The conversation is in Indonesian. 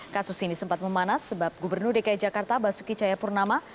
kasus ini sempat memanas sebab gubernur dki jakarta basuki cayapurnama